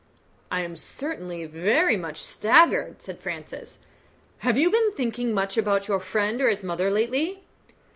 "I am certainly very much staggered," said Francis. "Have you been thinking much about your friend or his mother lately?"